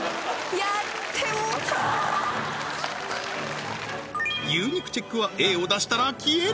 やってもうたー牛肉チェックはＡを出したら消える！